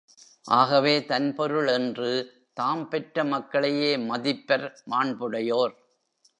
ஆகவே தன் பொருள் என்று, தாம் பெற்ற மக்களையே மதிப்பர் மாண்புடையோர்.